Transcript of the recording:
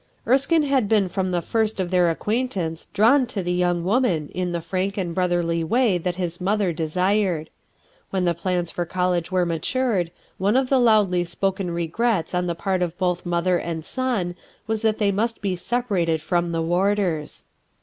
Erskine had been from the first of their acquaintance drawn to the young woman in the frank and brotherly way that his mother desired. When the plans for college were matured, one of the loudly spoken regrets on the part of both mother and son was that they must be separated from the Warders.